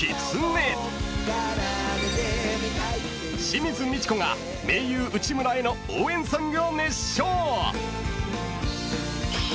［清水ミチコが盟友内村への応援ソングを熱唱］